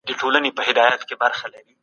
ټولنیز نظرونه د مذهب تر اغیز لاندې وو.